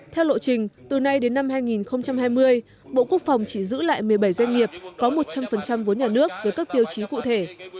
theo lộ trình từ nay đến năm hai nghìn hai mươi bộ quốc phòng chỉ giữ lại một mươi bảy doanh nghiệp có một trăm linh vốn nhà nước với các tiêu chí cụ thể